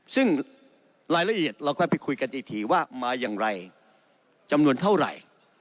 ซึ่งรายละเอียดเราค่อยไปคุยกันอีกทีว่ามาอย่างไรจำนวนเท่าไหร่